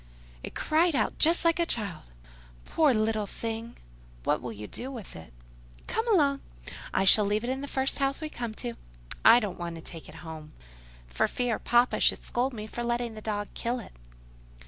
"It cried out just like a child." "Poor little thing! What will you do with it?" "Come along—I shall leave it in the first house we come to. I don't want to take it home, for fear papa should scold me for letting the dog kill it."